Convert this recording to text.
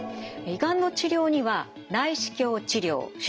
胃がんの治療には内視鏡治療手術